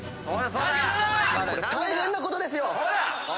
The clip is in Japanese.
これ大変なことですよ！